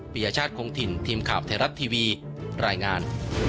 ยชาติคงถิ่นทีมข่าวไทยรัฐทีวีรายงาน